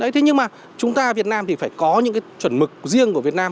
thế nhưng mà chúng ta việt nam thì phải có những cái chuẩn mực riêng của việt nam